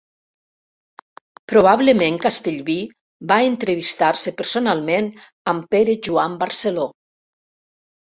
Probablement Castellví va entrevistar-se personalment amb Pere Joan Barceló.